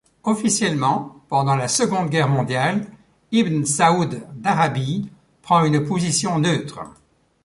Officiellement, pendant la Seconde Guerre mondiale, Ibn Saoud d'Arabie prend une position neutre.